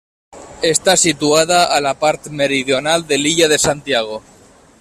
Està situada a la part meridional de l'illa de Santiago.